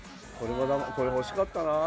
これ欲しかったなあ。